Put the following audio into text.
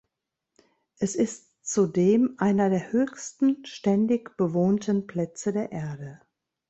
Es ist zudem einer der höchsten ständig bewohnten Plätze der Erde.